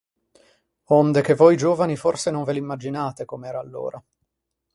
Onde che voi giovani forse non ve l'immaginate come era allora.